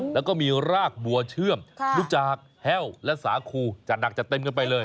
แล้วก็มีรากบัวเชื่อมรู้จักแห้วและสาคูจัดหนักจัดเต็มกันไปเลย